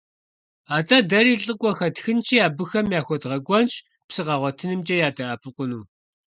АтӀэ дэри лӀыкӀуэ хэтхынщи, абыхэм яхуэдгъэкӀуэнщ псы къагъуэтынымкӀэ ядэӀэпыкъуну.